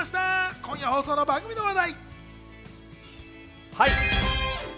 今夜放送の番組の話題。